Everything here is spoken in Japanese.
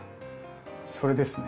それですね。